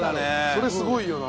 それすごいよな。